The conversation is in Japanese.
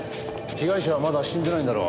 被害者はまだ死んでないんだろ？